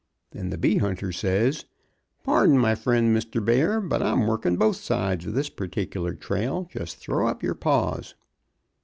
Then the bee hunter says: 'Pardon, my friend, Mr. Bear, but I'm workin' both sides of this particular trail, just throw up your paws.'"